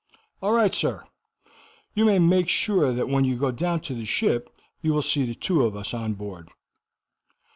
"All right, sir. You may make sure that when you go down to the ship you will see the two of us on board."